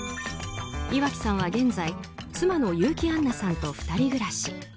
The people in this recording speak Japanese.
岩城さんは現在妻の結城アンナさんと２人暮らし。